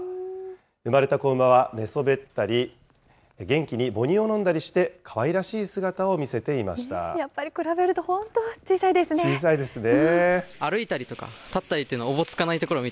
生まれた子馬は寝そべったり、元気に母乳を飲んだりして、やっぱり比べると本当、小さ小さいですね。